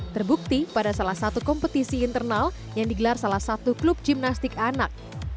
terbukti pada salah satu kompetisi internal yang digelar salah satu klub gimnastik anak